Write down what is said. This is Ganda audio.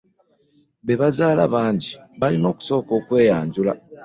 Be baazaala bangi baalina okusooka okweyanjula.